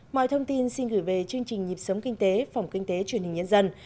mọi thông tin xin gửi về chương trình nhịp sống kinh tế phòng kinh tế truyền hình nhân dân